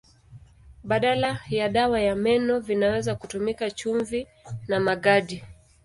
Badala ya dawa ya meno vinaweza kutumika chumvi na magadi.